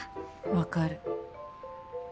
分かる。